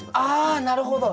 あなるほど。